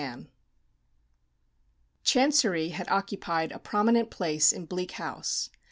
CHAPTER XI. Chancery had occupied a prominent place in "Bleak House."